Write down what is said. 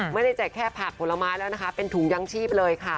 แจกแค่ผักผลไม้แล้วนะคะเป็นถุงยังชีพเลยค่ะ